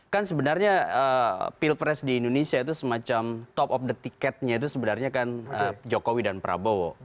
kan sebenarnya pilpres di indonesia itu semacam top of the ticketnya itu sebenarnya kan jokowi dan prabowo